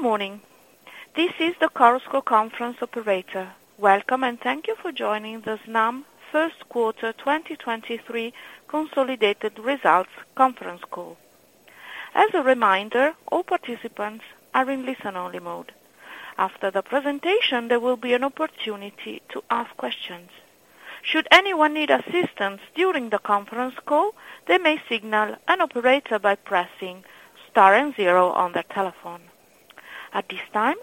Good morning. This is the Chorus Call conference operator. Welcome, and thank you for joining the Snam first quarter 2023 consolidated results conference call. As a reminder, all participants are in listen-only mode. After the presentation, there will be an opportunity to ask questions. Should anyone need assistance during the conference call, they may signal an operator by pressing star and zero on their telephone. At this time,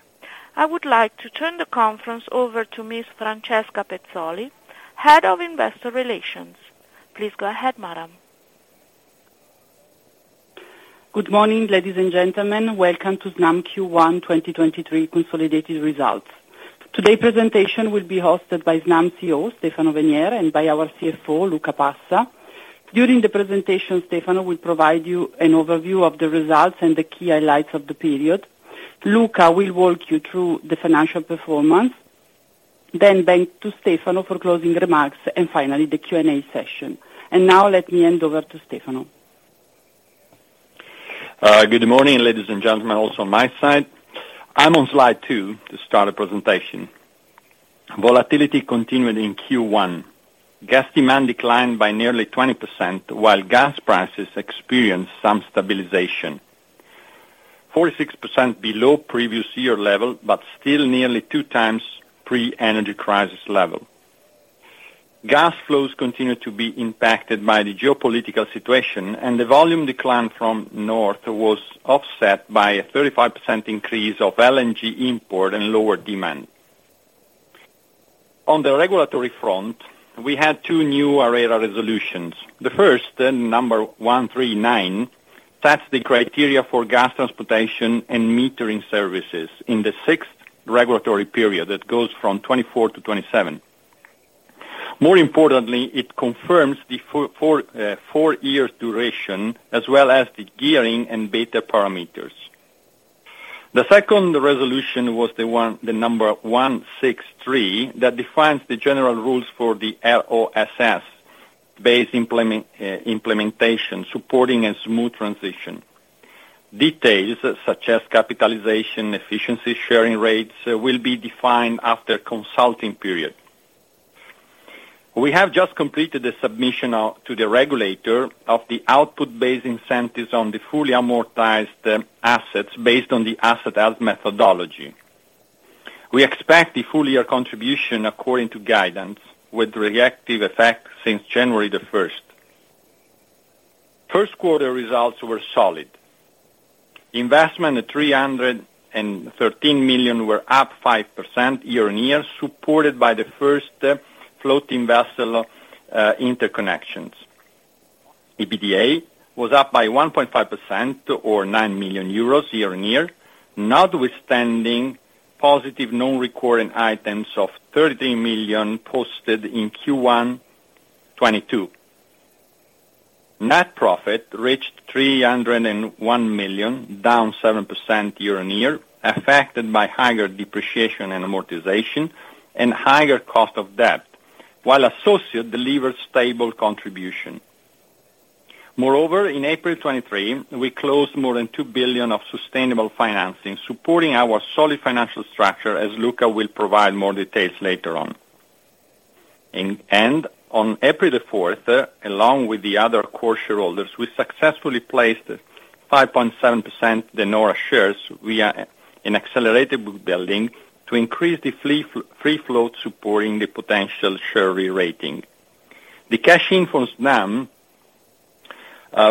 I would like to turn the conference over to Ms. Francesca Pezzoli, Head of Investor Relations. Please go ahead, madam. Good morning, ladies and gentlemen. Welcome to Snam Q1 2023 consolidated results. Today presentation will be hosted by Snam CEO, Stefano Venier, and by our CFO, Luca Passa. During the presentation, Stefano will provide you an overview of the results and the key highlights of the period. Luca will walk you through the financial performance, then back to Stefano for closing remarks, and finally, the Q&A session. Now let me hand over to Stefano. Good morning, ladies and gentlemen also on my side. I'm on slide two to start the presentation. Volatility continued in Q1. Gas demand declined by nearly 20%, while gas prices experienced some stabilization. 46% below previous year level, still nearly 2x pre-energy crisis level. Gas flows continued to be impacted by the geopolitical situation, the volume decline from North was offset by a 35% increase of LNG import and lower demand. On the regulatory front, we had two new ARERA resolutions. The first, the number 139, sets the criteria for gas transportation and metering services in the 6th regulatory period that goes from 2024 to 2027. More importantly, it confirms the four-year duration as well as the gearing and beta parameters. The second resolution was the one, the number 163, that defines the general rules for the ROSS base implementation, supporting a smooth transition. Details, such as capitalization, efficiency, sharing rates, will be defined after consulting period. We have just completed the submission of, to the regulator of the output-based incentives on the fully amortized assets based on the asset as methodology. We expect the full year contribution according to guidance with reactive effect since January 1st. First quarter results were solid. Investment at 313 million were up 5% year-and-year, supported by the first floating vessel interconnections. EBITDA was up by 1.5% or 9 million euros year-and-year, notwithstanding positive non-recurring items of 13 million posted in Q1 2022. Net profit reached 301 million, down 7% year-over-year, affected by higher depreciation and amortization and higher cost of debt, while associate delivered stable contribution. In April 2023, we closed more than 2 billion of sustainable financing, supporting our solid financial structure, as Luca will provide more details later on. In end, on April 4th, along with the other core shareholders, we successfully placed 5.7% De Nora shares via an accelerated book building to increase the free float, supporting the potential share re-rating. The cash in from Snam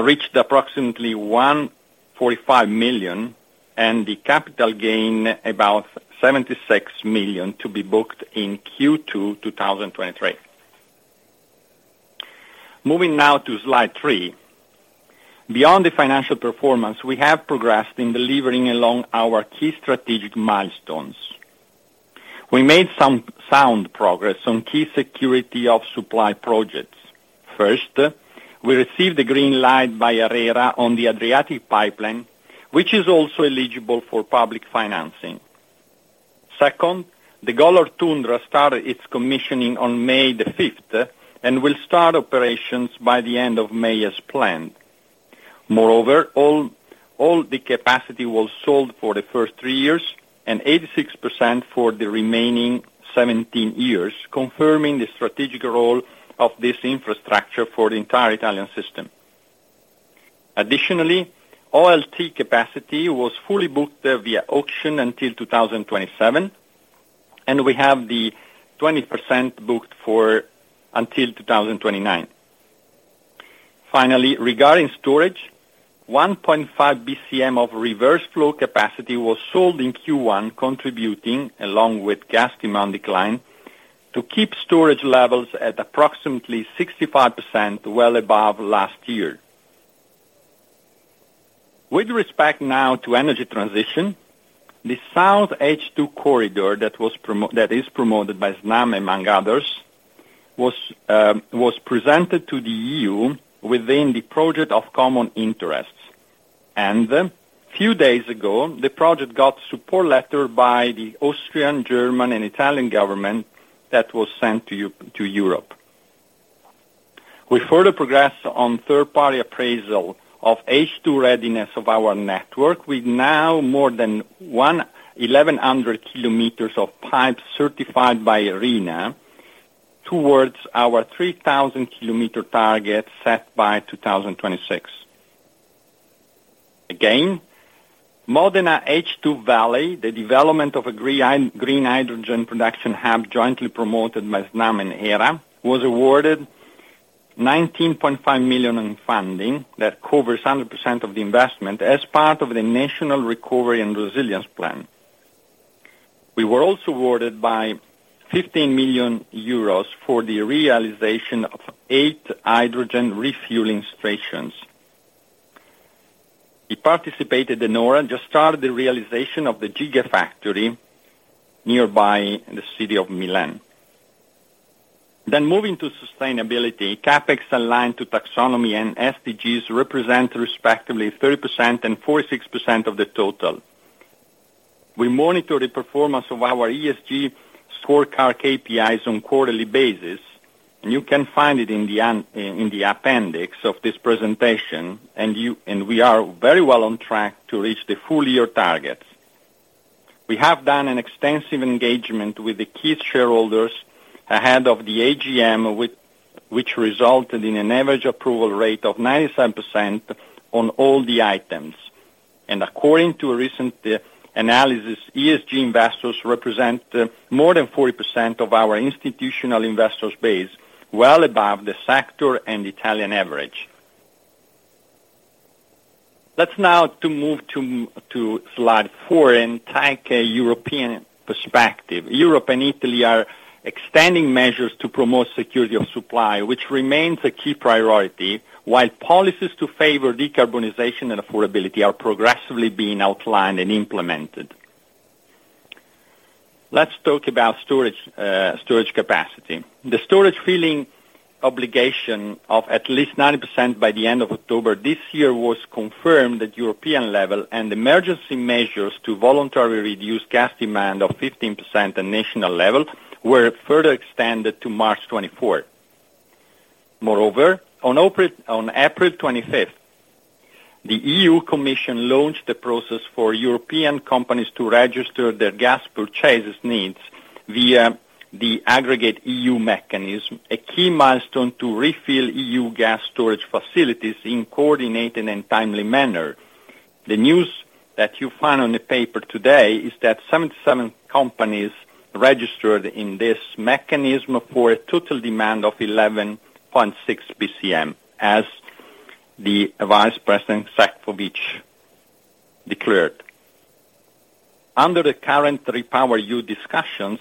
reached approximately 145 million, and the capital gain about 76 million to be booked in Q2 2023. Moving now to slide three. Beyond the financial performance, we have progressed in delivering along our key strategic milestones. We made some sound progress on key security of supply projects. First, we received the green light by ARERA on the Adriatic Pipeline, which is also eligible for public financing. Second, the Golar Tundra started its commissioning on May the 5th and will start operations by the end of May as planned. All the capacity was sold for the first three years and 86% for the remaining 17 years, confirming the strategic role of this infrastructure for the entire Italian system. OLT capacity was fully booked via auction until 2027, and we have the 20% booked for until 2029. Regarding storage, 1.5 BCM of reverse flow capacity was sold in Q1, contributing, along with gas demand decline, to keep storage levels at approximately 65%, well above last year. With respect now to energy transition, the SouthH2 Corridor that is promoted by Snam, among others, was presented to the EU within the project of common interests. A few days ago, the project got support letter by the Austrian, German, and Italian government that was sent to Europe. We further progress on third party appraisal of H2 readiness of our network, with now more than 1,100 km of pipes certified by ARERA towards our 3,000 km target set by 2026. Modena H2 Valley, the development of a green hydrogen production hub jointly promoted by Snam and Hera, was awarded 19.5 million in funding that covers 100% of the investment as part of the National Recovery and Resilience Plan. We were also awarded by 15 million euros for the realization of eight hydrogen refueling stations. We participated in De Nora, just started the realization of the gigafactory nearby the city of Milan. Moving to sustainability, CapEx aligned to taxonomy and SDGs represent respectively 30% and 46% of the total. We monitor the performance of our ESG scorecard KPIs on quarterly basis, you can find it in the appendix of this presentation. We are very well on track to reach the full year targets. We have done an extensive engagement with the key shareholders ahead of the AGM, which resulted in an average approval rate of 97% on all the items. According to a recent analysis, ESG investors represent more than 40% of our institutional investors base, well above the sector and Italian average. Let's now move to slide four and take a European perspective. Europe and Italy are extending measures to promote security of supply, which remains a key priority, while policies to favor decarbonization and affordability are progressively being outlined and implemented. Let's talk about storage capacity. The storage filling obligation of at least 90% by the end of October this year was confirmed at European level, and emergency measures to voluntarily reduce gas demand of 15% at national level were further extended to March 24th. Moreover, on April 25th, the European Commission launched the process for European companies to register their gas purchases needs via the aggregate EU mechanism, a key milestone to refill EU gas storage facilities in coordinated and timely manner. The news that you find on the paper today is that 77 companies registered in this mechanism for a total demand of 11.6 BCM, as the Vice President, Šefčovič declared. Under the current REPowerEU discussions,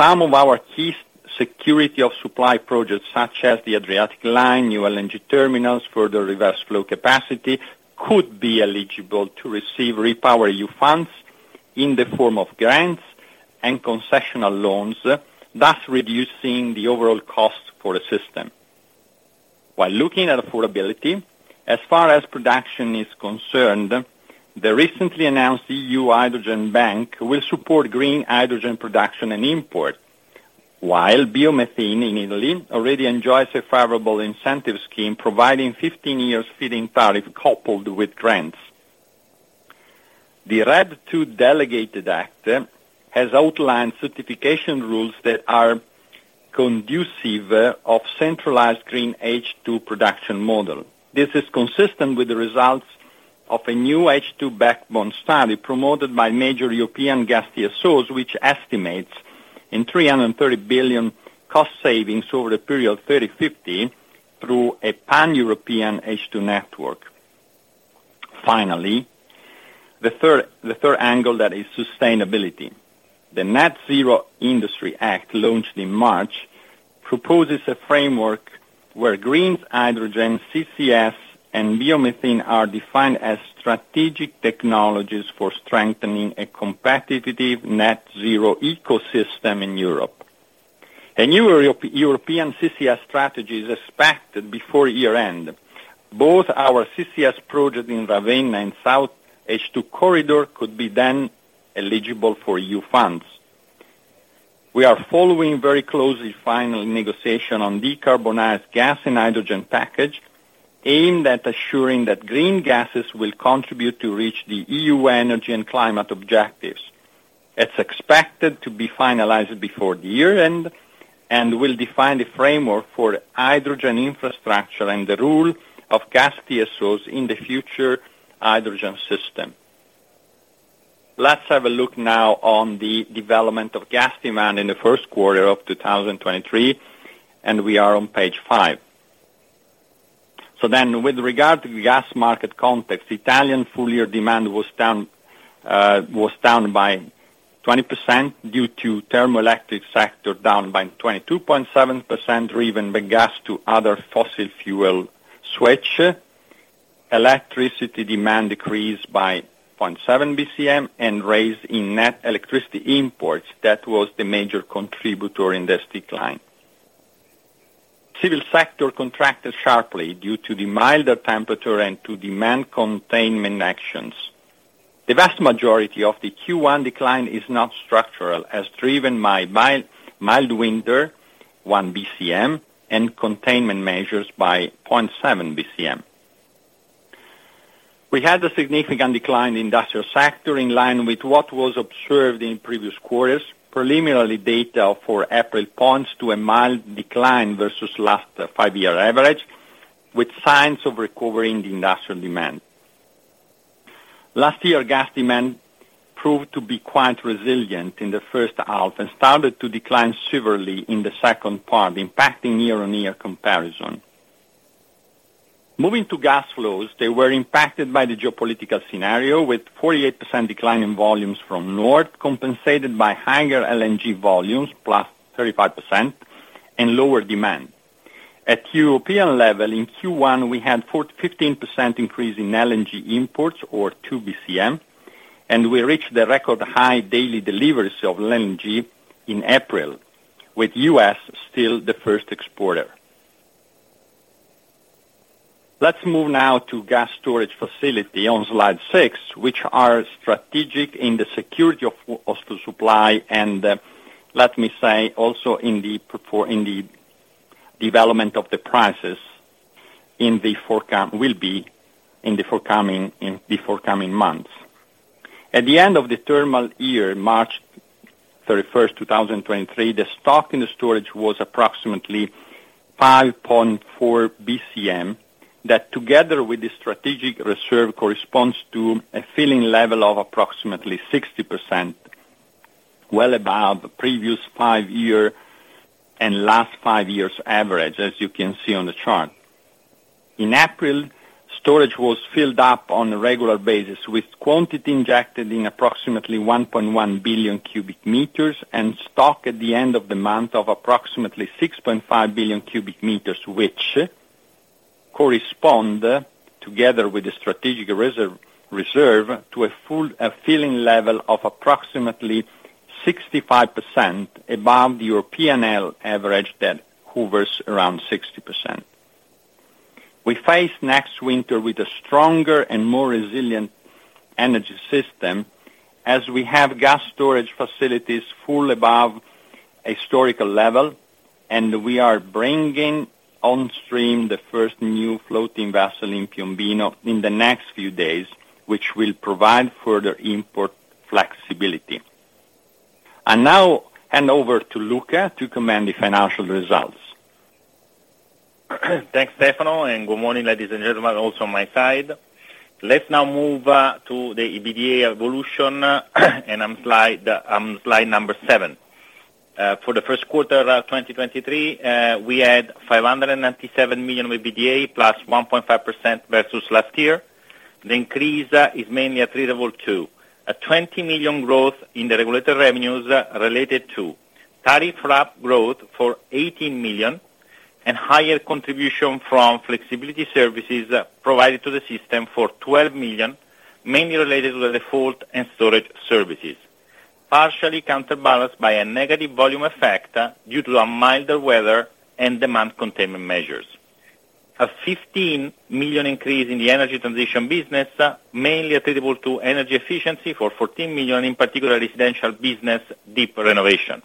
some of our key security of supply projects, such as the Adriatic line, new LNG terminals, further reverse flow capacity, could be eligible to receive REPowerEU funds in the form of grants and concessional loans, thus reducing the overall cost for the system. Looking at affordability, as far as production is concerned, the recently announced EU Hydrogen Bank will support green hydrogen production and import, while biomethane in Italy already enjoys a favorable incentive scheme, providing 15 years feed-in tariff coupled with grants. The RED II delegated act has outlined certification rules that are conducive of centralized green H2 production model. This is consistent with the results of a new H2 backbone study promoted by major European gas TSOs, which estimates 330 billion cost savings over a period of 30-50 through a Pan-European H2 network. The third angle, that is sustainability. The Net-Zero Industry Act, launched in March, proposes a framework where green hydrogen, CCS and biomethane are defined as strategic technologies for strengthening a competitive net-zero ecosystem in Europe. A new European CCS strategy is expected before year-end. Both our CCS project in Ravenna and SouthH2 Corridor could be then eligible for EU funds. We are following very closely final negotiation on Decarbonised Gas and Hydrogen Package, aimed at assuring that green gases will contribute to reach the EU energy and climate objectives. It's expected to be finalized before the year-end and will define the framework for hydrogen infrastructure and the role of gas TSOs in the future hydrogen system. Let's have a look now on the development of gas demand in the first quarter of 2023. We are on page fiveh. With regard to gas market context, Italian full year demand was down by 20% due to thermoelectric sector, down by 22.7%, driven by gas to other fossil fuel switch. Electricity demand decreased by 0.7 BCM and raised in net electricity imports. That was the major contributor in this decline. Civil sector contracted sharply due to the milder temperature and to demand containment actions. The vast majority of the Q1 decline is not structural, as driven by mild winter, 1 BCM, and containment measures by 0.7 BCM. We had a significant decline in industrial sector in line with what was observed in previous quarters. Preliminary data for April points to a mild decline versus last five-year average, with signs of recovering the industrial demand. Last year, gas demand proved to be quite resilient in the first half and started to decline severely in the second part, impacting year-on-year comparison. Moving to gas flows, they were impacted by the geopolitical scenario, with 48% decline in volumes from north, compensated by higher LNG volumes, +35%, and lower demand. At European level, in Q1, we had 15% increase in LNG imports, or 2 BCM, and we reached the record high daily deliveries of LNG in April, with US still the first exporter. Let's move now to gas storage facility on slide six, which are strategic in the security of supply and, let me say, also in the development of the prices in the forcoming months. At the end of the terminal year, March 31, 2023, the stock in the storage was approximately 5.4 BCM, that together with the strategic reserve, corresponds to a filling level of approximately 60%, well above the previous five-year and last five years average, as you can see on the chart. In April, storage was filled up on a regular basis, with quantity injected in approximately 1.1 billion CBM and stock at the end of the month of approximately 6.5 billion CBM, which correspond, together with the strategic reserve, to a full filling level of approximately 65% above the European L average that hovers around 60%. We face next winter with a stronger and more resilient energy system as we have gas storage facilities full above historical level, and we are bringing on stream the first new floating vessel in Piombino in the next few days, which will provide further import flexibility. I now hand over to Luca to command the financial results. Thanks, Stefano. Good morning, ladies and gentlemen, also on my side. Let's now move to the EBITDA evolution, slide number seven. For the first quarter of 2023, we had 597 million of EBITDA, +1.5% versus last year. The increase is mainly attributable to a 20 million growth in the regulated revenues related to tariff RAB growth for 18 million and higher contribution from flexibility services provided to the system for 12 million, mainly related to the default and storage services. Partially counterbalanced by a negative volume effect due to a milder weather and demand containment measures. A 15 million increase in the energy transition business, mainly attributable to energy efficiency for 14 million, in particular, residential business deep renovation.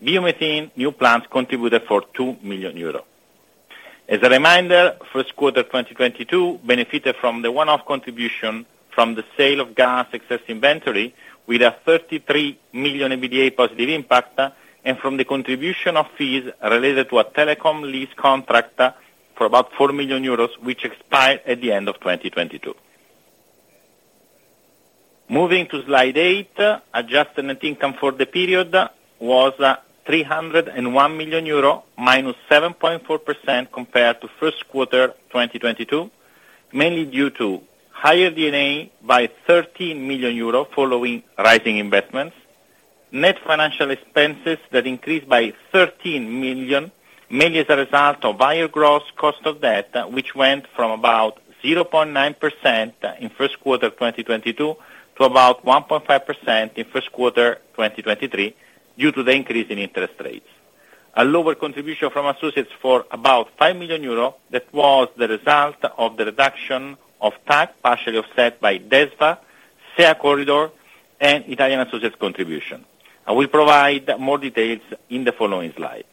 Biomethane new plants contributed for 2 million euros. As a reminder, first quarter 2022 benefited from the one-off contribution from the sale of gas excess inventory with a 33 million EBITDA positive impact, and from the contribution of fees related to a telecom lease contract for about 4 million euros, which expired at the end of 2022. Moving to slide eight, adjusted net income for the period was 301 million euro, -7.4% compared to first quarter 2022, mainly due to higher D&A by 13 million euro following rising investments. Net financial expenses that increased by 13 million, mainly as a result of higher gross cost of debt, which went from about 0.9% in first quarter 2022 to about 1.5% in first quarter 2023 due to the increase in interest rates. A lower contribution from associates for about 5 million euro, that was the result of the reduction of tax, partially offset by DESFA, SeaCorridor, Italian associates contribution. I will provide more details in the following slide.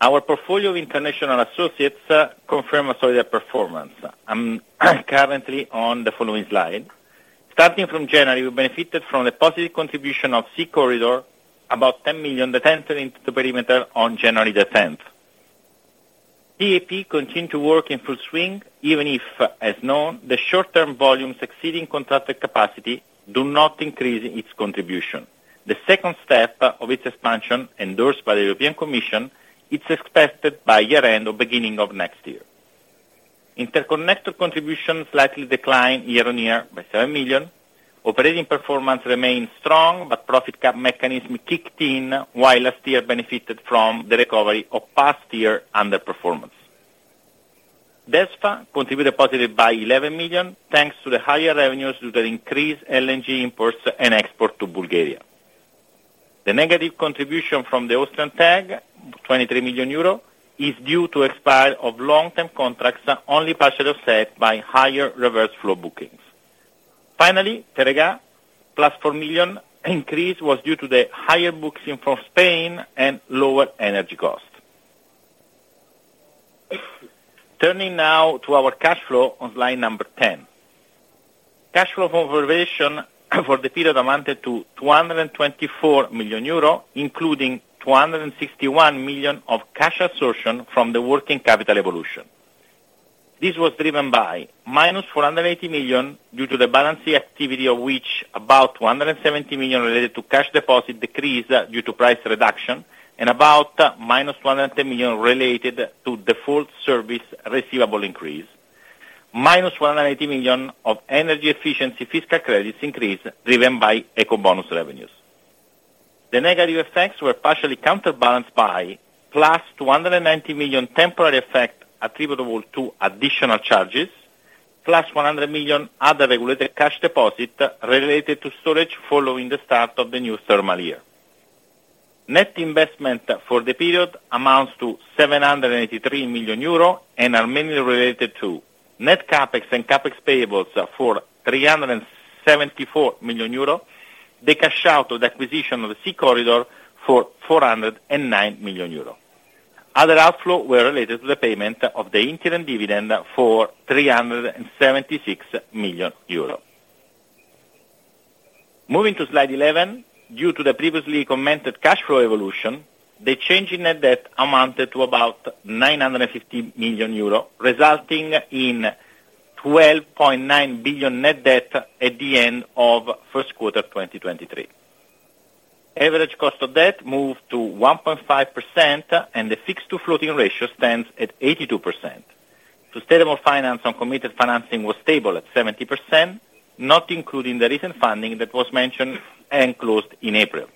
Our portfolio of international associates confirm a solid performance. I'm currently on the following slide. Starting from January, we benefited from the positive contribution of SeaCorridor, about 10 million that entered into the perimeter on January 10th. TAP continued to work in full swing, even if, as known, the short-term volumes exceeding contracted capacity do not increase its contribution. The second step of its expansion, endorsed by the European Commission, is expected by year-end or beginning of next year. Interconnector contribution slightly declined year-on-year by 7 million. Operating performance remained strong, profit cap mechanism kicked in, while last year benefited from the recovery of past year underperformance. DESFA contributed positive by 11 million, thanks to the higher revenues due to increased LNG imports and export to Bulgaria. The negative contribution from the Austrian TAG, 23 million euro, is due to expire of long-term contracts are only partially offset by higher reverse flow bookings. Teréga, +4 million increase was due to the higher booking from Spain and lower energy costs. Turning now to our cash flow on line number 10. Cash flow from operation for the period amounted to 224 million euro, including 261 million of cash absorption from the working capital evolution. This was driven by -480 million due to the balance sheet activity, of which about 170 million related to cash deposit decreased due to price reduction, and about -100 million related to default service receivable increase. -180 million of energy efficiency fiscal credits increase driven by eco-bonus revenues. The negative effects were partially counterbalanced by +290 million temporary effect attributable to additional charges, +100 million other regulated cash deposit related to storage following the start of the new thermal year. Net investment for the period amounts to 783 million euro and are mainly related to net CapEx and CapEx payables for 374 million euro. The cash out of the acquisition of the SeaCorridor for 409 million euro. Other outflow were related to the payment of the interim dividend for 376 million euro. Moving to slide 11. Due to the previously commented cash flow evolution, the change in net debt amounted to about 950 million euro, resulting in 12.9 billion net debt at the end of 1Q 2023. Average cost of debt moved to 1.5%. The fixed to floating ratio stands at 82%. Sustainable finance on committed financing was stable at 70%, not including the recent funding that was mentioned and closed in April.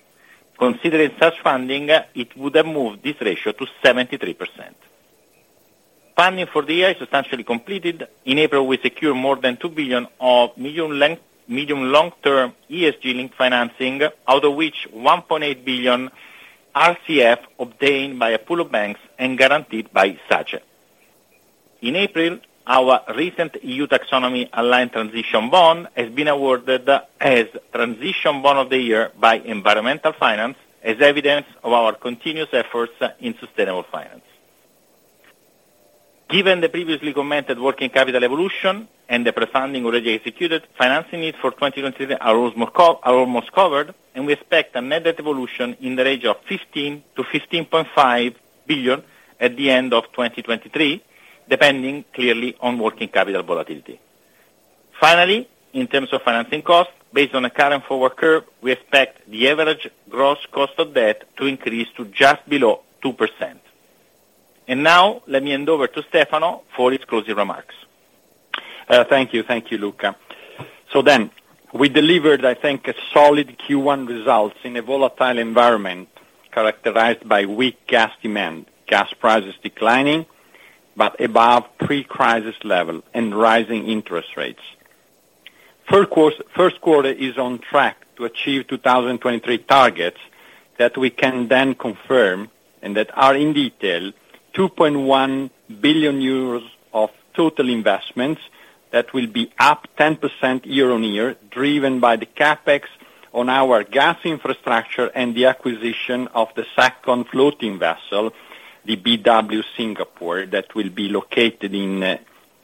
Considering such funding, it would have moved this ratio to 73%. Funding for the year is essentially completed. In April, we secured more than 2 billion of medium long-term ESG link financing, out of which 1.8 billion RCF obtained by a pool of banks and guaranteed by SACE. In April, our recent EU taxonomy aligned transition bond has been awarded as Transition Bond of the Year by Environmental Finance as evidence of our continuous efforts in sustainable finance. Given the previously commented working capital evolution and the prefunding already executed, financing needs for 2023 are almost covered, and we expect a net debt evolution in the range of 15 billion-15.5 billion at the end of 2023, depending clearly on working capital volatility. Finally, in terms of financing costs, based on a current forward curve, we expect the average gross cost of debt to increase to just below 2%. Now let me hand over to Stefano for his closing remarks. Thank you. Thank you, Luca. We delivered, I think, a solid Q1 results in a volatile environment characterized by weak gas demand, gas prices declining, but above pre-crisis level and rising interest rates. First quarter is on track to achieve 2023 targets that we can confirm, and that are in detail, 2.1 billion euros of total investments that will be up 10% year-on-year, driven by the CapEx on our gas infrastructure and the acquisition of the second floating vessel, the BW Singapore, that will be located in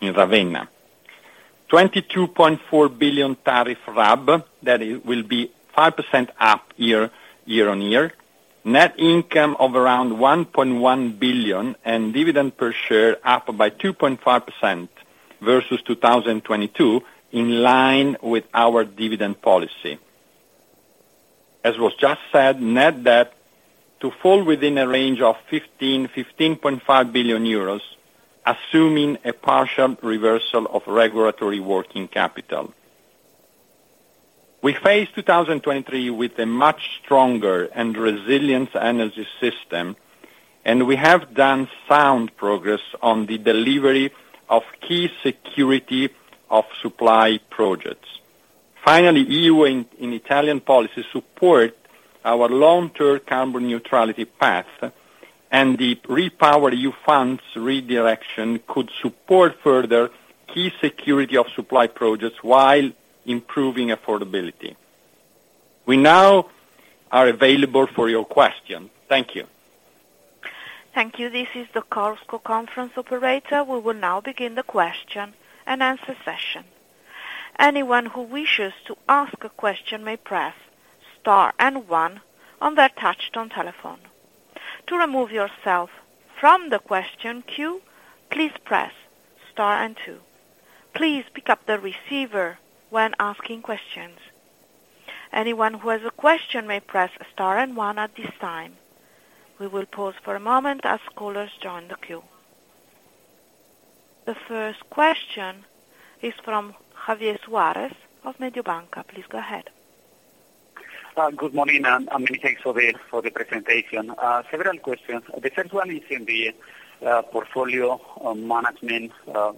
Ravenna. 22.4 billion tariff RAB, that will be 5% up year-on-year. Net income of around 1.1 billion and dividend per share up by 2.5% versus 2022, in line with our dividend policy. As was just said, net debt to fall within a range of 15 billion-15.5 billion euros, assuming a partial reversal of regulatory working capital. We face 2023 with a much stronger and resilient energy system. We have done sound progress on the delivery of key security of supply projects. Finally, EU and Italian policy support our long-term carbon neutrality path. The REPowerEU funds redirection could support further key security of supply projects while improving affordability. We now are available for your questions. Thank you. Thank you. This is the Chorus Call conference operator. We will now begin the question-and-answer session. Anyone who wishes to ask a question may press star and one on their touch-tone telephone. To remove yourself from the question queue, please press star and two. Please pick up the receiver when asking questions. Anyone who has a question may press star and one at this time. We will pause for a moment as callers join the queue. The first question is from Javier Suarez of Mediobanca. Please go ahead. Good morning, and many thanks for the presentation. Several questions. The first one is in the portfolio management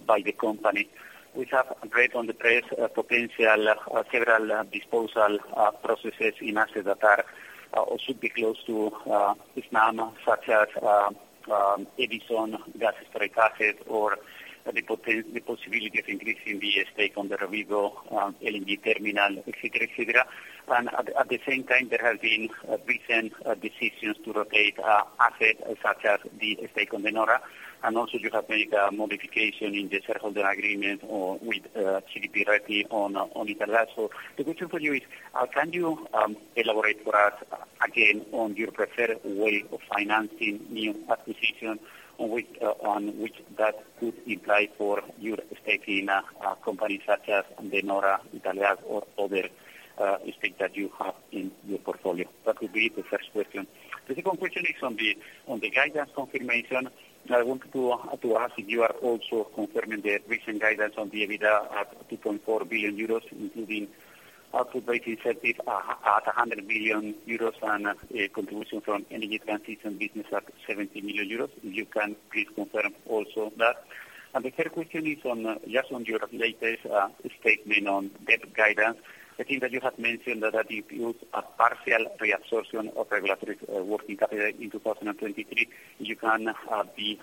by the company. We have read on the press a potential several disposal processes in assets that should be close to Snam, such as Edison Stoccaggio, or the possibility of increasing the stake on the Rovigo LNG terminal, et cetera, et cetera. At the same time, there have been recent decisions to rotate asset such as the stake on De Nora. Also you have made a modification in the shareholder agreement or with CDP Reti on Italgas. The question for you is, can you elaborate for us again on your preferred way of financing new acquisition, on which that could imply for your stake in companies such as De Nora, Italgas, or other stake that you have in your portfolio? That would be the first question. The second question is on the guidance confirmation. I wanted to ask if you are also confirming the recent guidance on the EBITDA at 2.4 billion euros, including output-based incentive at 100 million euros and a contribution from energy transition business at 70 million euros. You can please confirm also that. The third question is on just on your latest statement on debt guidance. I think that you have mentioned that you use a partial reabsorption of regulatory working capital in 2023. You can be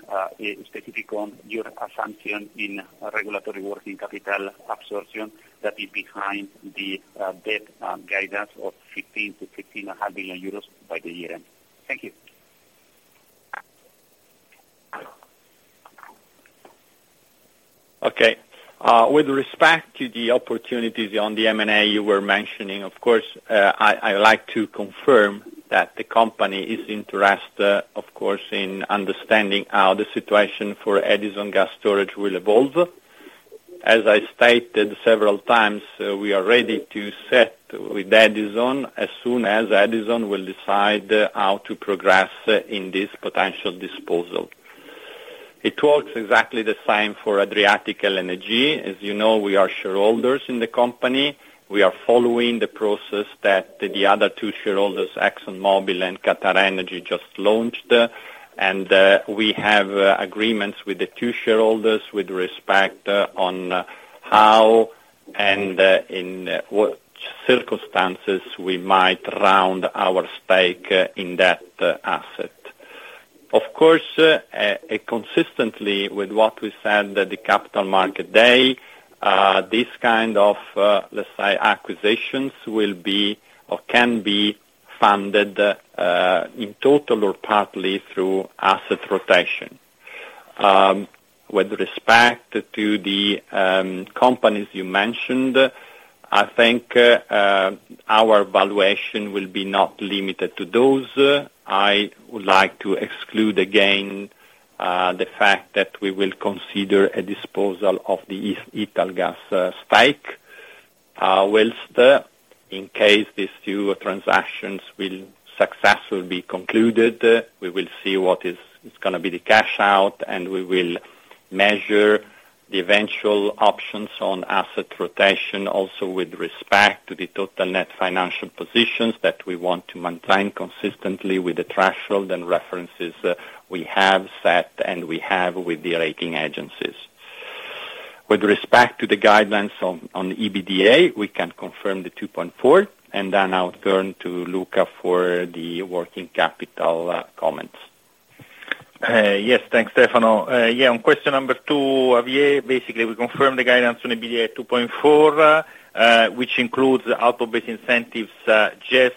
specific on your assumption in regulatory working capital absorption that is behind the debt guidance of 15 billion-15.5 billion euros by the year end. Thank you. Okay. With respect to the opportunities on the M&A you were mentioning, of course, I like to confirm that the company is interested, of course, in understanding how the situation for Edison Stoccaggio will evolve. As I stated several times, we are ready to set with Edison as soon as Edison will decide how to progress in this potential disposal. It works exactly the same for Adriatic LNG. As you know, we are shareholders in the company. We are following the process that the other two shareholders, ExxonMobil and QatarEnergy, just launched. We have agreements with the two shareholders with respect on how and in what circumstances we might round our stake in that asset. Of course, consistently with what we said at the Capital Market Day, this kind of, let's say, acquisitions will be or can be funded, in total or partly through asset rotation. With respect to the companies you mentioned, I think, our valuation will be not limited to those. I would like to exclude again, the fact that we will consider a disposal of the Italgas stake, whilst in case these two transactions will successfully be concluded, we will see what is gonna be the cash out, and we will measure the eventual options on asset rotation also with respect to the total net financial positions that we want to maintain consistently with the threshold and references we have set and we have with the rating agencies. With respect to the guidelines on the EBITDA, we can confirm the 2.4, and then I'll turn to Luca for the working capital comments. Yes. Thanks, Stefano. Yeah, on question number 2, Javier, basically, we confirm the guidance on EBITDA 2.4, which includes output-based incentives, just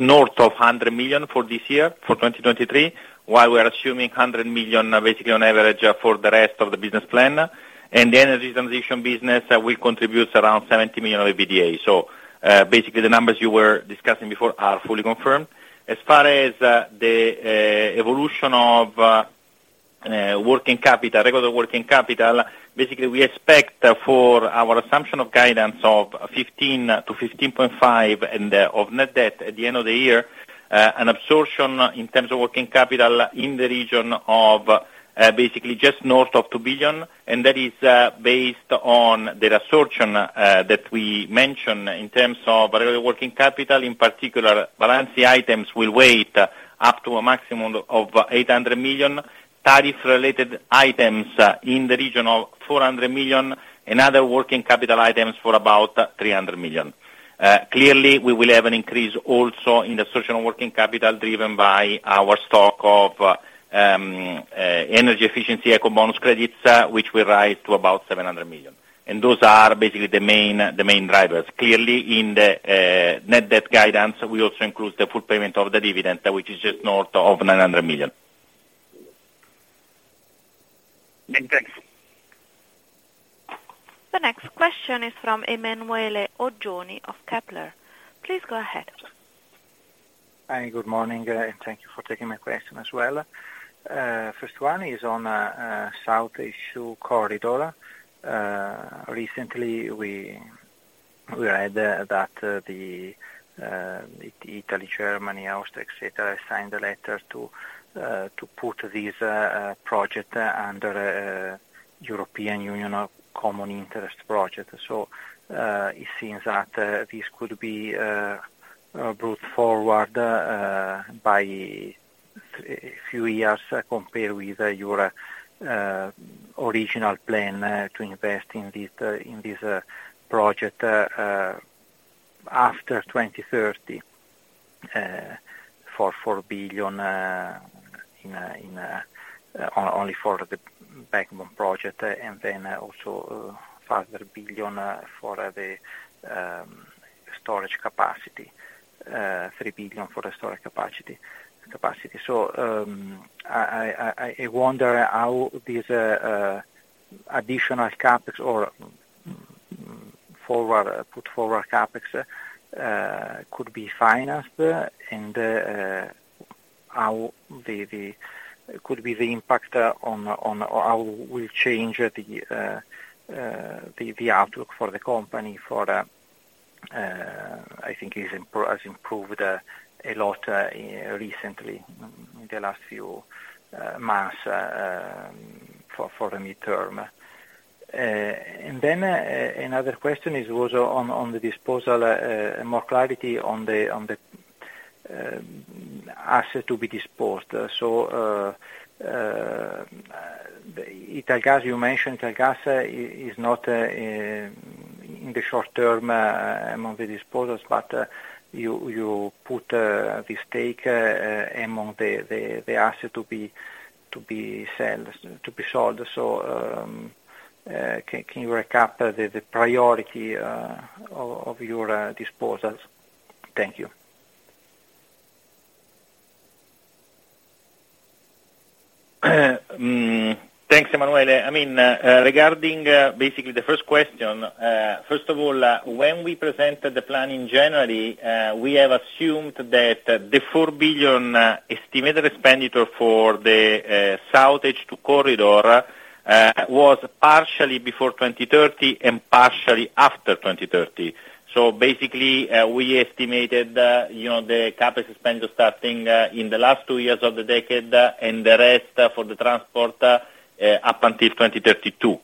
north of 100 million for this year, for 2023, while we are assuming 100 million basically on average for the rest of the business plan. The energy transition business will contribute around 70 million of EBITDA. Basically, the numbers you were discussing before are fully confirmed. As far as the evolution of working capital, regular working capital, basically, we expect for our assumption of guidance of 15 billion-15.5 billion of net debt at the end of the year, an absorption in terms of working capital in the region of basically just north of 2 billion, and that is based on the reabsorption that we mentioned in terms of regular working capital. In particular, balancing items will weight up to a maximum of 800 million, tariff-related items in the region of 400 million, and other working capital items for about 300 million. Clearly, we will have an increase also in the social working capital driven by our stock of energy efficiency eco-bonus credits, which will rise to about 700 million. Those are basically the main drivers. Clearly, in the net debt guidance, we also include the full payment of the dividend, which is just north of 900 million. Thanks. The next question is from Emanuele Oggioni of Kepler. Please go ahead. Hi, good morning, thank you for taking my question as well. First one is on SoutH2 Corridor. Recently we read that Italy, Germany, Austria, et cetera, signed a letter to put this project under European Union of Common Interest project. It seems that this could be brought forward by a few years compared with your- Original plan to invest in this in this project after 2030 for EUR 4 billion in only for the Backbone project, and then also 3 billion for the storage capacity. I wonder how these additional CapEx or forward, put forward CapEx, could be financed, and how the impact on how we change the outlook for the company for, I think has improved a lot recently, in the last few months, for for the midterm. Another question is also on the disposal, more clarity on the asset to be disposed. Italgas, you mentioned Italgas is not in the short term among the disposals, but you put this stake among the asset to be sold. Can you recap the priority of your disposals? Thank you. Thanks, Emanuel. I mean, regarding basically the first question, first of all, when we presented the plan in January, we have assumed that the 4 billion estimated expenditure for the SoutH2 Corridor was partially before 2030 and partially after 2030. Basically, we estimated, you know, the CapEx expenditure starting in the last two years of the decade, and the rest for the transport up until 2032.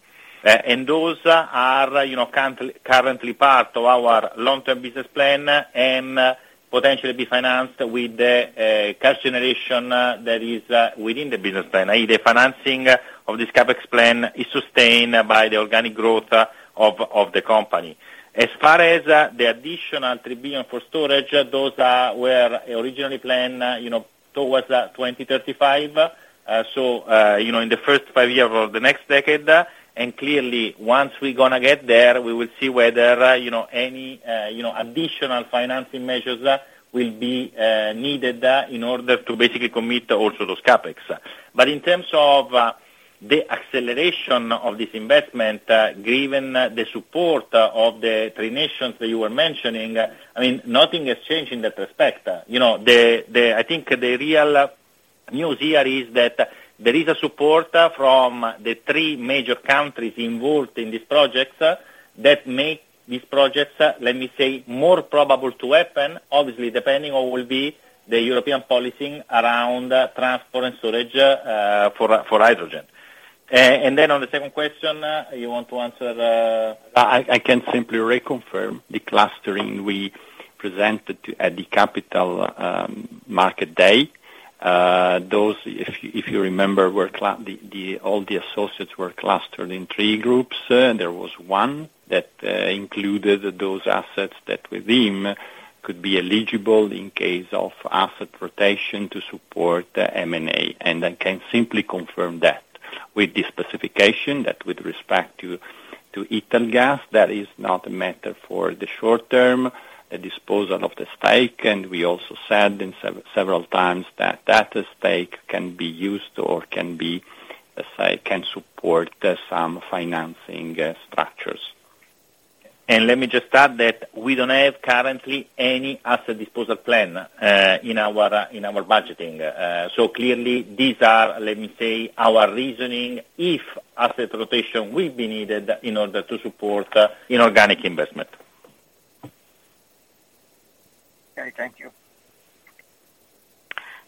Those are, you know, currently part of our long-term business plan and potentially be financed with the cash generation that is within the business plan. I.e., the financing of this CapEx plan is sustained by the organic growth of the company. As far as the additional 3 billion for storage, those are where originally planned, you know, towards 2035. You know, in the first five years of the next decade. Clearly, once we gonna get there, we will see whether, you know, any additional financing measures will be needed in order to basically commit also those CapEx. In terms of the acceleration of this investment, given the support of the three nations that you were mentioning, I mean, nothing has changed in that respect. You know, I think the real news here is that there is a support from the three major countries involved in these projects that make these projects, let me say, more probable to happen, obviously, depending on will be the European policy around transport and storage for hydrogen. Then on the second question, you want to answer. I can simply reconfirm the clustering we presented at the Capital Market Day. Those, if you remember, were all the associates were clustered in three groups. There was one that included those assets that within could be eligible in case of asset rotation to support M&A. I can simply confirm that with the specification that with respect to Italgas, that is not a matter for the short term, the disposal of the stake, and we also said in several times that that stake can be used or can be, say, can support some financing structures. Let me just add that we don't have currently any asset disposal plan in our budgeting. Clearly these are, let me say, our reasoning, if asset rotation will be needed in order to support inorganic investment. Okay. Thank you.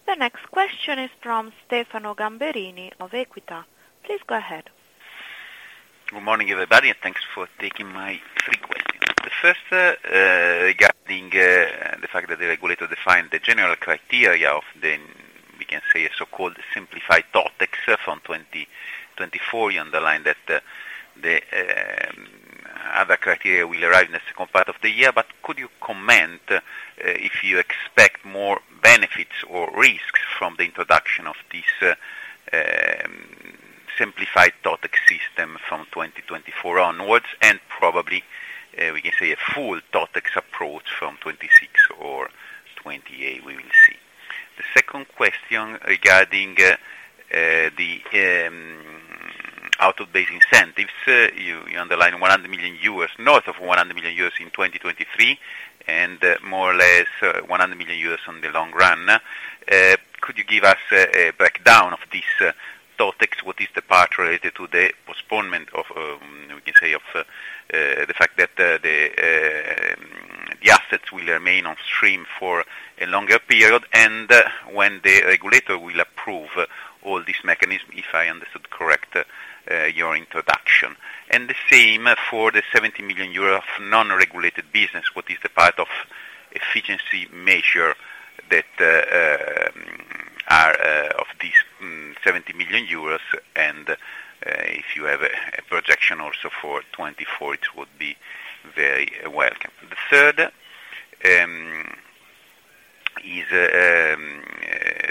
The next question is from Stefano Gamberini of Equita. Please go ahead. Good morning, everybody. Thanks for taking my three questions. The first, regarding the fact that the regulator defined the general criteria of the, we can say, so-called simplified TotEx from 2024, you underline that the other criteria will arrive in the second part of the year. Could you comment if you expect more benefits or risks from the introduction of this simplified TotEx system from 2024 onwards, and probably, we can say a full TotEx approach from 26 or 28, we will see. The second question regarding the output-based incentives, you underline 100 million euros, north of 100 million euros in 2023, and more or less 100 million euros on the long run. Could you give us a breakdown of this TotEx? What is the part related to the postponement of, we can say, of, the fact that the assets will remain on stream for a longer period, and when the regulator will approve all this mechanism, if I understood correct, your introduction. The same for the 70 million euro of non-regulated business. What is the part of efficiency measure that are of these, 70 million euros, and if you have a projection also for 2024, it would be very welcome. The third is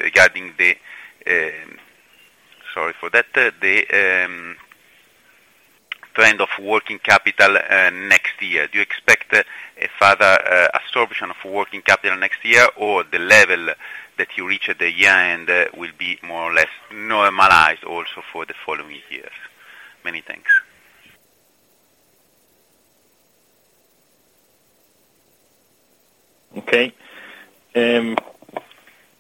regarding the... Sorry for that. The trend of working capital next year. Do you expect a further absorption of working capital next year, or the level that you reach at the year end will be more or less normalized also for the following years? Many thanks.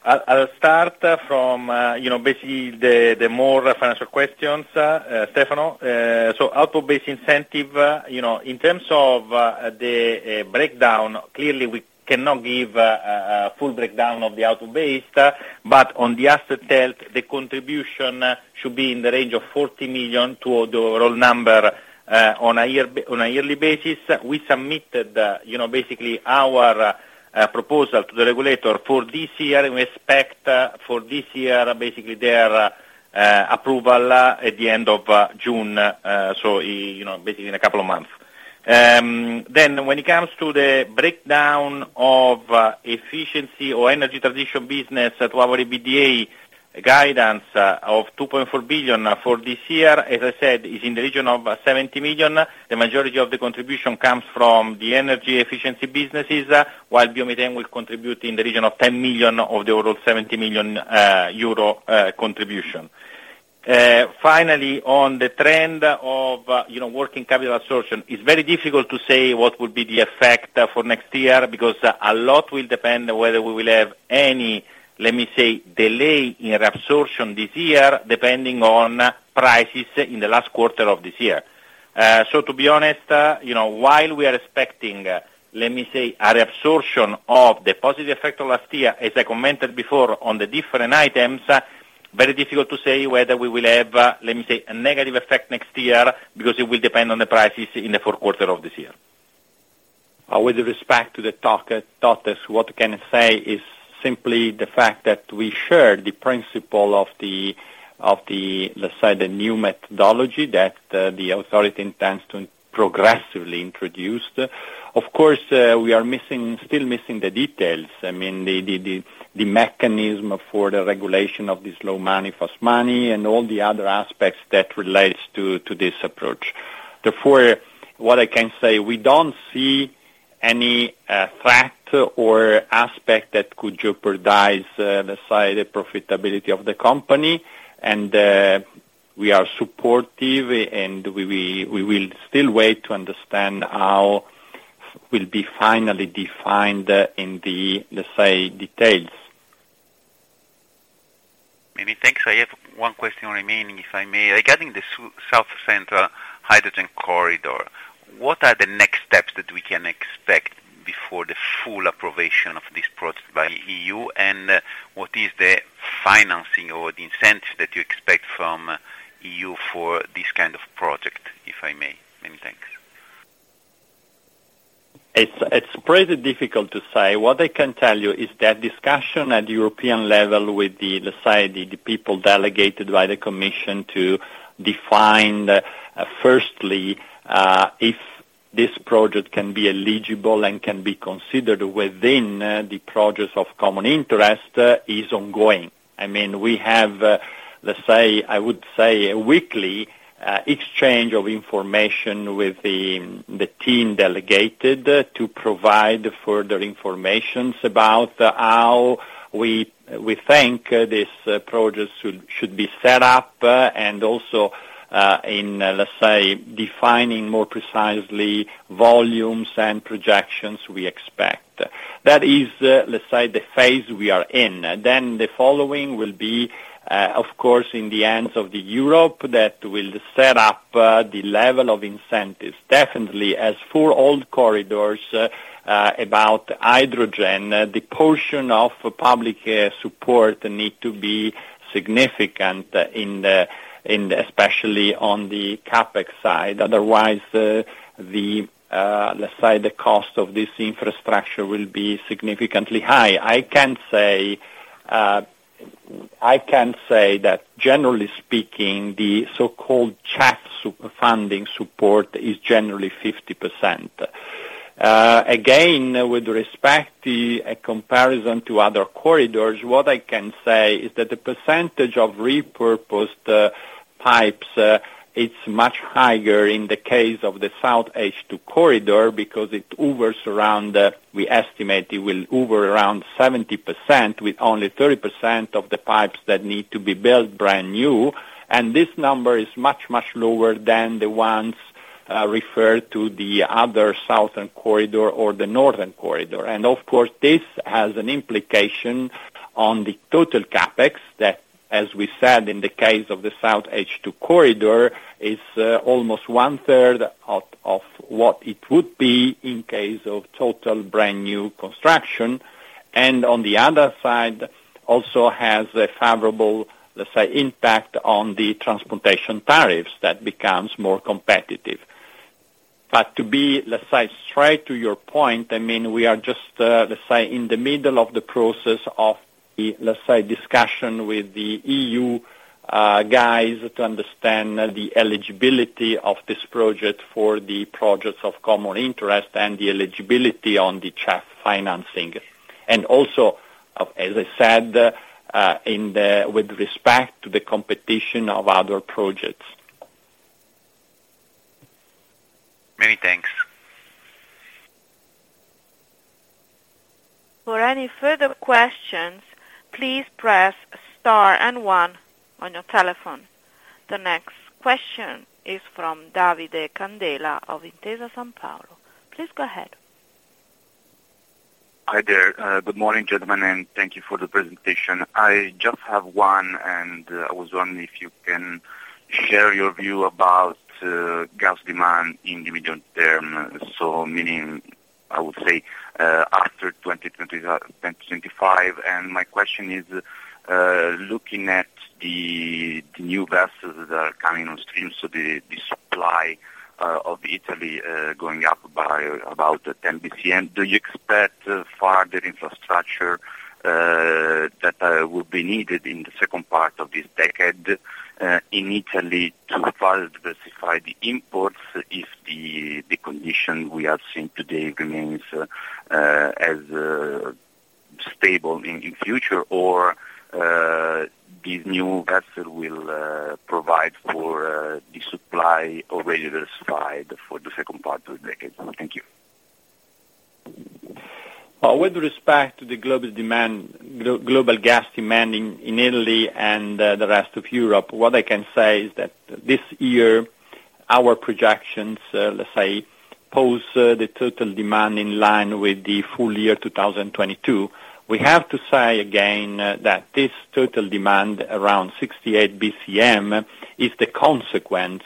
I'll start from, you know, basically the more financial questions, Stefano. output-based incentive, you know, in terms of the breakdown, clearly we cannot give a full breakdown of the output-based, but on the asset held, the contribution should be in the range of 40 million to the overall number on a yearly basis. We submitted, you know, basically our proposal to the regulator for this year. We expect for this year, basically their approval at the end of June, so, you know, basically in a couple of months. When it comes to the breakdown of efficiency or energy transition business to our EBITDA guidance of 2.4 billion for this year, as I said, is in the region of 70 million. The majority of the contribution comes from the energy efficiency businesses, while biomethane will contribute in the region of 10 million of the overall 70 million euro contribution. On the trend of, you know, working capital absorption, it's very difficult to say what would be the effect for next year because a lot will depend on whether we will have any, let me say, delay in reabsorption this year depending on prices in the last quarter of this year. To be honest, you know, while we are expecting, let me say, a reabsorption of the positive effect of last year, as I commented before on the different items, very difficult to say whether we will have, let me say, a negative effect next year because it will depend on the prices in the fourth quarter of this year. With respect to the targets, what I can say is simply the fact that we share the principle of the, of the, let me say, the new methodology that the authority intends to progressively introduce. Of course, we are missing, still missing the details. I mean, the, the mechanism for the regulation of the slow money, fast money, and all the other aspects that relates to this approach. Therefore, what I can say, we don't see any threat or aspect that could jeopardize, let's say, the profitability of the company, and we are supportive and we will still wait to understand how it will be finally defined in the, let's say, details. Many thanks. I have one question remaining, if I may. Regarding the South Central Hydrogen Corridor, what are the next steps that we can expect before the full approval of this project by EU? What is the financing or the incentive that you expect from EU for this kind of project, if I may? Many thanks. It's pretty difficult to say. What I can tell you is that discussion at European level with, let's say, the people delegated by the commission to define, firstly, if this project can be eligible and can be considered within the projects of common interest is ongoing. I mean, we have, let's say, I would say, a weekly exchange of information with the team delegated to provide further information about how we think this project should be set up, and also, in, let's say, defining more precisely volumes and projections we expect. That is, let's say, the phase we are in. The following will be, of course, in the hands of Europe that will set up the level of incentives. Definitely, as for all corridors, about hydrogen, the portion of public support need to be significant in the, especially on the CapEx side. Otherwise, the, let's say, the cost of this infrastructure will be significantly high. I can say that generally speaking, the so-called CEF funding support is generally 50%. Again, with respect the comparison to other corridors, what I can say is that the percentage of repurposed pipes, it's much higher in the case of the SouthH2 Corridor because it hovers around, we estimate it will hover around 70%, with only 30% of the pipes that need to be built brand new. This number is much, much lower than the ones referred to the other southern corridor or the northern corridor. Of course, this has an implication on the total CapEx that, as we said, in the case of the SoutH2 Corridor, is almost one-third of what it would be in case of total brand-new construction. On the other side also has a favorable, let's say, impact on the transportation tariffs that becomes more competitive. To be, let's say, straight to your point, I mean, we are just, let's say, in the middle of the process of the, let's say, discussion with the EU guys to understand the eligibility of this project for the projects of common interest and the eligibility on the CEF financing. Also, as I said, with respect to the competition of other projects. Many thanks. For any further questions, please press star and one on your telephone. The next question is from Davide Candela of Intesa Sanpaolo. Please go ahead. Hi there. Good morning, gentlemen, thank you for the presentation. I just have one. I was wondering if you can share your view about gas demand in the medium term, so meaning, I would say, after 2023, 2025. My question is, looking at the new vessels that are coming on stream, so the supply of Italy going up by about 10 BCM, do you expect further infrastructure that will be needed in the second part of this decade in Italy to further diversify the imports if the condition we have seen today remains as stable in future or these new vessel will provide for the supply already there slide for the second part of the decade? Thank you. With respect to the global demand, global gas demand in Italy and the rest of Europe, what I can say is that this year, our projections, let's say, pose the total demand in line with the full year 2022. We have to say again that this total demand around 68 BCM is the consequence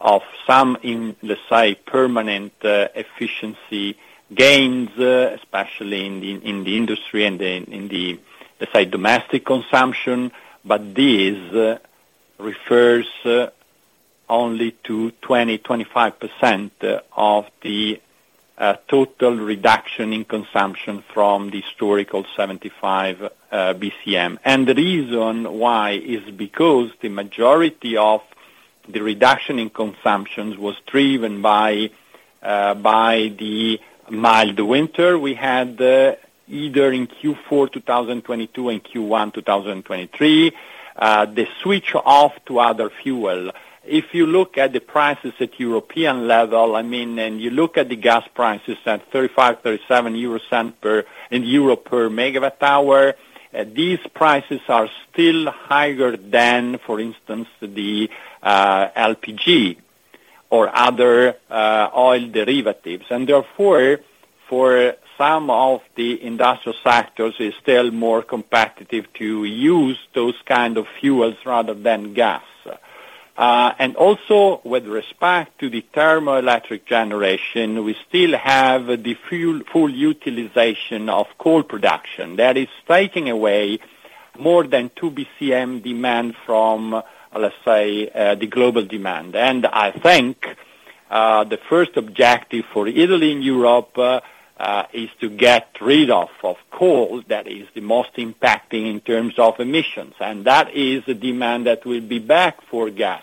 of some in, let's say, permanent efficiency gains, especially in the industry and in the, let's say, domestic consumption. This refers only to 20-25% of the total reduction in consumption from the historical 75 BCM. The reason why is because the majority of the reduction in consumptions was driven by the mild winter we had either in Q4 2022 and Q1 2023, the switch off to other fuel. If you look at the prices at European level, I mean, you look at the gas prices at 35-37 euro per megawatt hour, these prices are still higher than, for instance, the LPG or other oil derivatives. Therefore, for some of the industrial sectors, it's still more competitive to use those kind of fuels rather than gas. Also with respect to the thermoelectric generation, we still have the full utilization of coal production. That is taking away more than 2 BCM demand from, let's say, the global demand. I think, the first objective for Italy and Europe is to get rid of coal that is the most impacting in terms of emissions, and that is the demand that will be back for gas.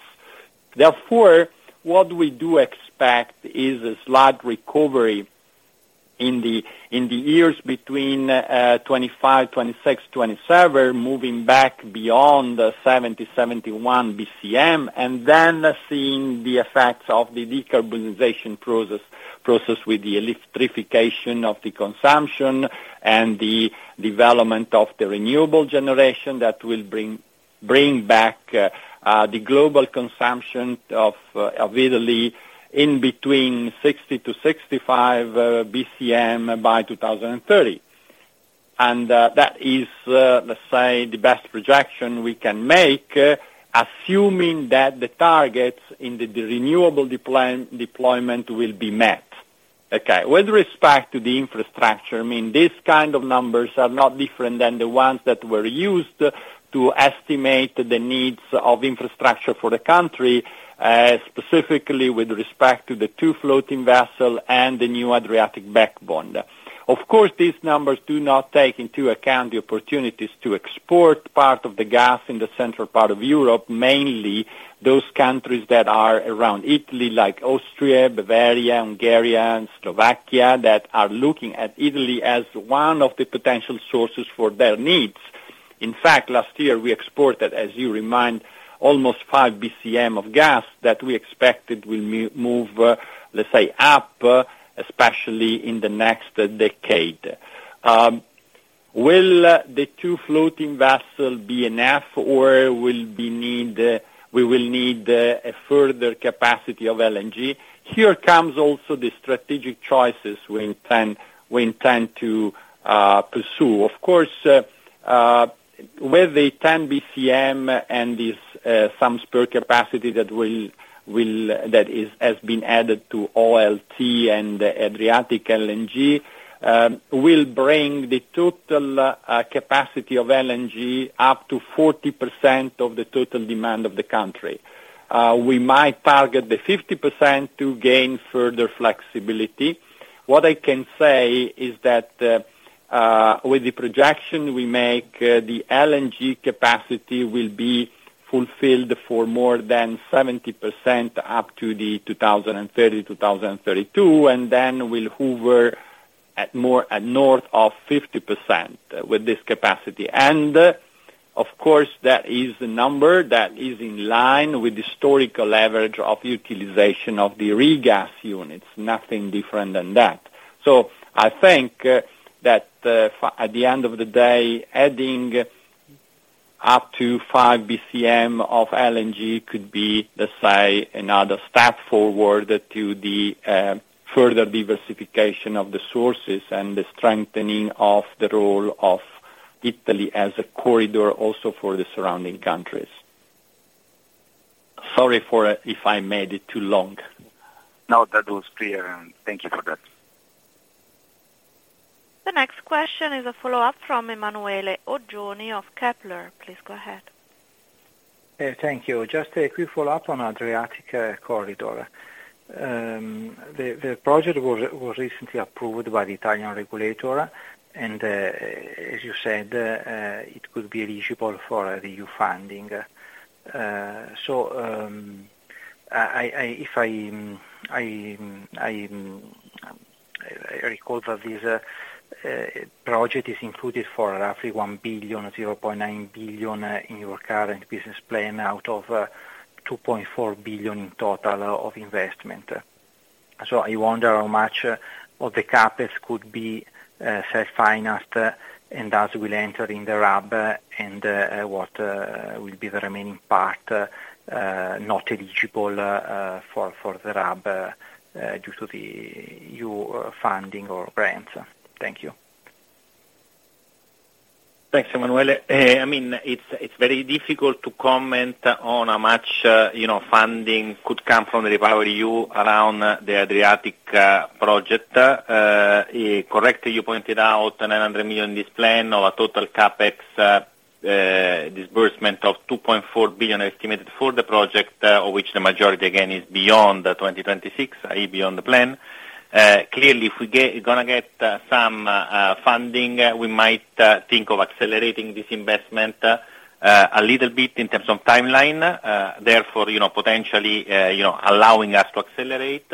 Therefore, what we do expect is a slight recovery in the years between 25, 26, 27, moving back beyond the 70, 71 BCM, and then seeing the effects of the decarbonization process with the electrification of the consumption and the development of the renewable generation that will bring back the global consumption of Italy in between 60 to 65 BCM by 2030. That is, let's say, the best projection we can make, assuming that the targets in the renewable deployment will be met. Okay. With respect to the infrastructure, I mean, these kind of numbers are not different than the ones that were used to estimate the needs of infrastructure for the country, specifically with respect to the two floating vessel and the new Adriatic backbone. Of course, these numbers do not take into account the opportunities to export part of the gas in the central part of Europe, mainly those countries that are around Italy, like Austria, Bavaria, Hungary, and Slovakia, that are looking at Italy as one of the potential sources for their needs. In fact, last year, we exported, as you remind, almost 5 BCM of gas that we expected will move, let's say, up, especially in the next decade. Will the two floating vessel be enough, or will we need a further capacity of LNG? Here comes also the strategic choices we intend to pursue. Of course, with the 10 BCM and this, some spare capacity that will, that is, has been added to OLT and Adriatic LNG, will bring the total capacity of LNG up to 40% of the total demand of the country. We might target the 50% to gain further flexibility. What I can say is that, with the projection we make, the LNG capacity will be fulfilled for more than 70% up to 2030, 2032, and then will hover at more at north of 50% with this capacity. Of course, that is the number that is in line with historical average of utilization of the regas units, nothing different than that. I think that at the end of the day, adding up to 5 BCM of LNG could be, let's say, another step forward to the further diversification of the sources and the strengthening of the role of Italy as a corridor also for the surrounding countries. Sorry for if I made it too long. No, that was clear, and thank you for that. The next question is a follow-up from Emanuele Oggioni of Kepler. Please go ahead. Thank you. Just a quick follow-up on Adriatic Corridor. The project was recently approved by the Italian regulator, and as you said, it could be eligible for EU funding. If I recall that this project is included for roughly 1 billion, 0.9 billion in your current business plan out of 2.4 billion in total of investment. I wonder how much of the CapEx could be self-financed, and thus will enter in the RAB, and what will be the remaining part not eligible for the RAB due to the EU funding or grants. Thank you. Thanks, Emmanuele. I mean, it's very difficult to comment on how much, you know, funding could come from the REPowerEU around the Adriatic project. Correctly, you pointed out 900 million in this plan of a total CapEx disbursement of 2.4 billion estimated for the project, of which the majority, again, is beyond 2026, i.e., beyond the plan. Clearly, if we get, gonna get some funding, we might think of accelerating this investment a little bit in terms of timeline, therefore, you know, potentially, you know, allowing us to accelerate.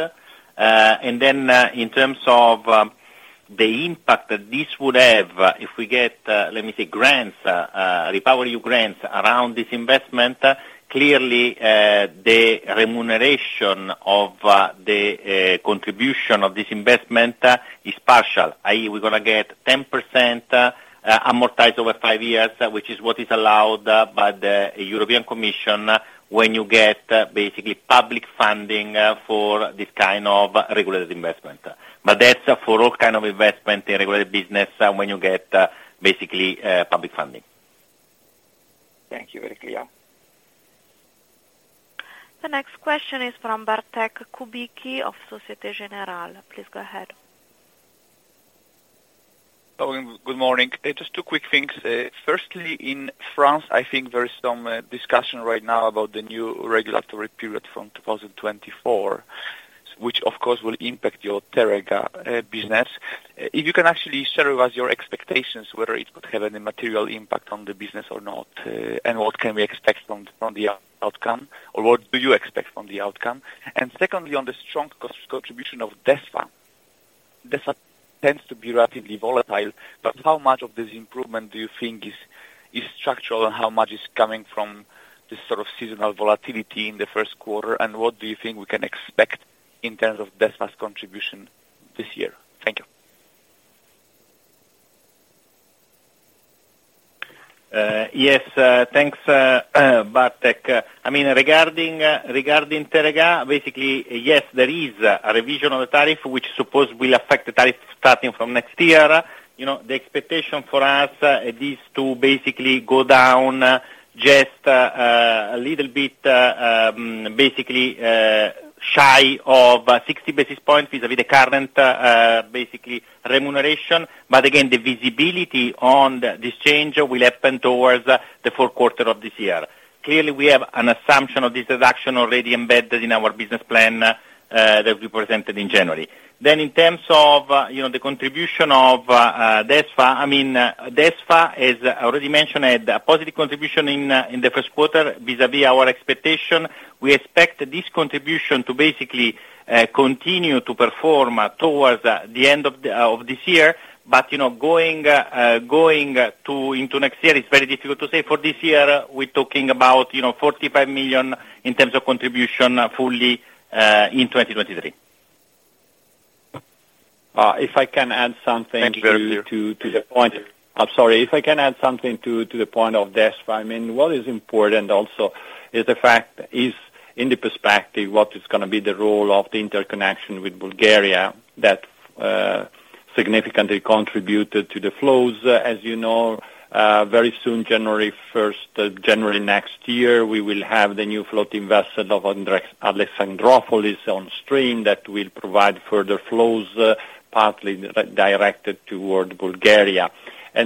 In terms of the impact that this would have if we get, let me say, grants, REPowerEU grants around this investment, clearly, the remuneration of the contribution of this investment is partial, i.e., we're gonna get 10% amortized over five years, which is what is allowed by the European Commission when you get, basically, public funding for this kind of regulated investment. That's for all kind of investment in regulated business when you get, basically, public funding. Thank you. Very clear. The next question is from Bartłomiej Kubicki of Société Générale. Please go ahead. Hello, good morning. Just two quick things. Firstly, in France, I think there is some discussion right now about the new regulatory period from 2024, which of course will impact your Teréga business. If you can actually share with us your expectations, whether it could have any material impact on the business or not, and what can we expect from the outcome, or what do you expect from the outcome? Secondly, on the strong cost contribution of DESFA. DESFA tends to be relatively volatile, but how much of this improvement do you think is structural, and how much is coming from this sort of seasonal volatility in the first quarter, and what do you think we can expect in terms of DESFA's contribution this year? Thank you. Yes, thanks, Bartłomiej. I mean, regarding Teréga, basically, yes, there is a revision of the tariff, which suppose will affect the tariff starting from next year. You know, the expectation for us is to basically go down just a little bit, basically shy of 60 basis points vis-a-vis the current, basically remuneration. Again, the visibility on this change will happen towards the fourth quarter of this year. Clearly, we have an assumption of this reduction already embedded in our business plan that we presented in January. In terms of, you know, the contribution of DESFA, I mean, DESFA, as I already mentioned, had a positive contribution in the first quarter vis-a-vis our expectation. We expect this contribution to basically continue to perform towards the end of this year. You know, going to, into next year, it's very difficult to say. For this year, we're talking about, you know, 45 million in terms of contribution fully in 2023. If I can add something. Thanks, Bartłomiej. To the point. I'm sorry. If I can add something to the point of DESFA, I mean, what is going to be the role of the interconnection with Bulgaria that- Significantly contributed to the flows. As you know, very soon, January 1st, January next year, we will have the new floating vessel of Alexandroupolis on stream that will provide further flows, partly directed toward Bulgaria.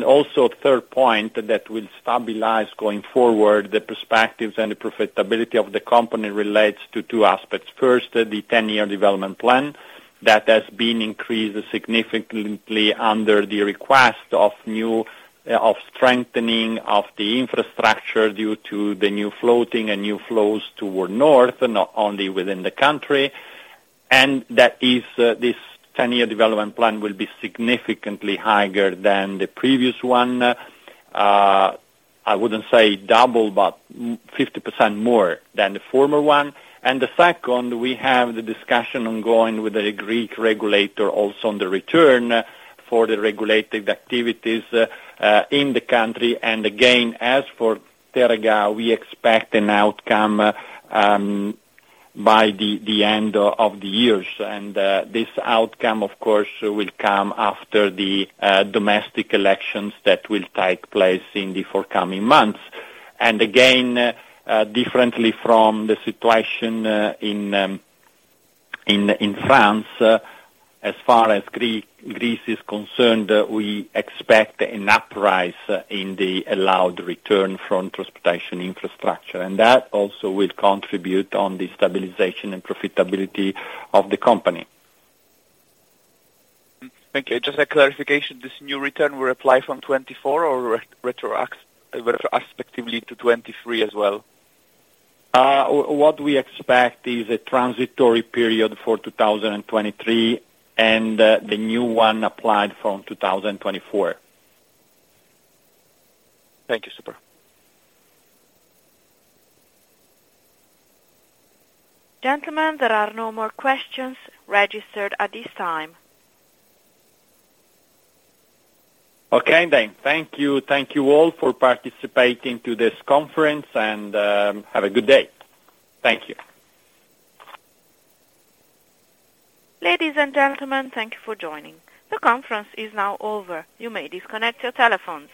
Also, third point that will stabilize going forward the perspectives and the profitability of the company relates to two aspects. First, the 10-year development plan that has been increased significantly under the request of strengthening of the infrastructure due to the new floating and new flows toward north, not only within the country. That is, this 10-year development plan will be significantly higher than the previous one. I wouldn't say double, but 50% more than the former one. Second, we have the discussion ongoing with the Greek regulator also on the return for the regulated activities in the country. As for Teréga, we expect an outcome by the end of the years. This outcome, of course, will come after the domestic elections that will take place in the forthcoming months. Differently from the situation in France, as far as Greece is concerned, we expect an uprise in the allowed return from transportation infrastructure, and that also will contribute on the stabilization and profitability of the company. Okay, just a clarification. This new return will apply from 2024 or retrospectively to 2023 as well? What we expect is a transitory period for 2023 and, the new one applied from 2024. Thank you, super. Gentlemen, there are no more questions registered at this time. Okay. Thank you. Thank you all for participating to this conference and have a good day. Thank you. Ladies and gentlemen, thank you for joining. The conference is now over. You may disconnect your telephones.